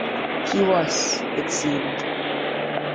He was, it seemed.